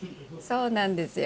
そうなんですよ。